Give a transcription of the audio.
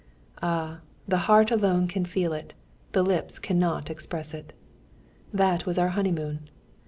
Ah! the heart alone can feel it, the lips cannot express it. That was our honeymoon.